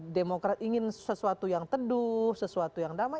demokrat ingin sesuatu yang teduh sesuatu yang damai